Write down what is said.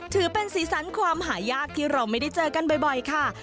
ถือเป็นสีสันความหายากที่เราไม่ได้เจอกันบ่อยค่ะ